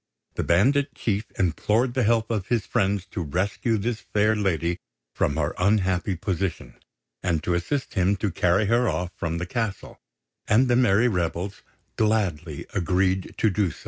The bandit chief implored the help of his friends to rescue this fair lady from her unhappy position, and to assist him to carry her off from the castle; and the merry rebels gladly agreed to do so.